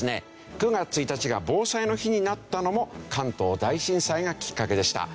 ９月１日が防災の日になったのも関東大震災がきっかけでした。